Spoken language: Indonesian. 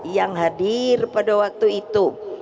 yang hadir pada waktu itu